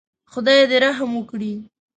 خدای دې رحم وکړي.